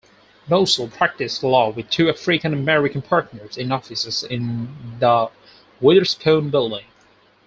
Mossell practiced law with two African-American partners in offices in the Witherspoon Building.